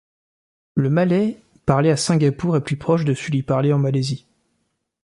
Le Malais parlé à Singapour est plus proche de celui parlé en Malaisie.